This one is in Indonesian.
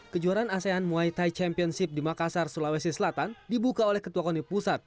kejuaraan asean muay thai championship di makassar sulawesi selatan dibuka oleh ketua koni pusat